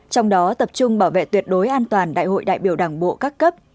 trong đó tập trung bảo vệ tuyệt đối an toàn đại hội đại biểu đảng bộ các cấp